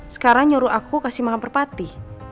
sekarang nyuruh aku kasih makan merpati